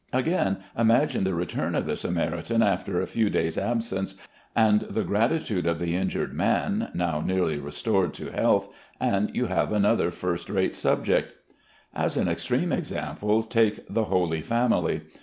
Again, imagine the return of the Samaritan after a few days' absence, and the gratitude of the injured man, now nearly restored to health, and you have another first rate subject. As an extreme example, take the "Holy Family."